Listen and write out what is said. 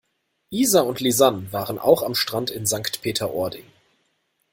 Isa und Lisann waren auch am Strand in Sankt Peter-Ording.